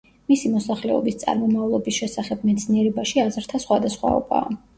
მისი მოსახლეობის წარმომავლობის შესახებ მეცნიერებაში აზრთა სხვადასხვაობაა.